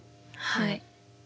はい。